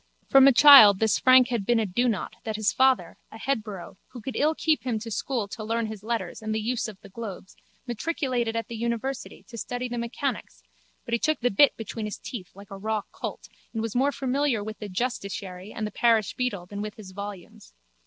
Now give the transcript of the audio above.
From a child this Frank had been a donought that his father, a headborough, who could ill keep him to school to learn his letters and the use of the globes, matriculated at the university to study the mechanics but he took the bit between his teeth like a raw colt and was more familiar with the justiciary and the parish beadle than with his volumes.